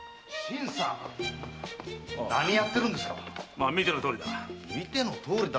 まあ見てのとおりだ。